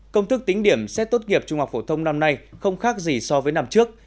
công thức tính điểm xét tốt nghiệp trung học phổ thông năm nay không khác gì so với năm trước